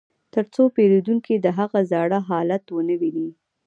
ترڅو پیرودونکي د هغه زاړه حالت ونه ویني